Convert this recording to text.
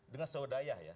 dengan saudaya ya